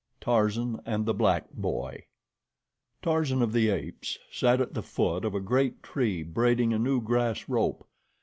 5 Tarzan and the Black Boy TARZAN OF THE Apes sat at the foot of a great tree braiding a new grass rope.